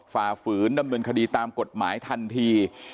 ฝ่าฝืนดำเนินคดีตามกฎหมายทันที